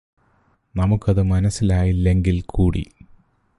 നമുക്കത് മനസ്സിലായില്ലെങ്കില് കൂടി